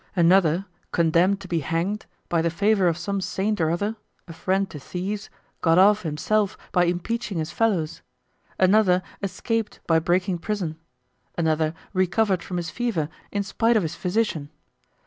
Another, condemned to be hanged, by the favor of some saint or other, a friend to thieves, got off himself by impeaching his fellows. Another escaped by breaking prison. Another recovered from his fever in spite of his physician.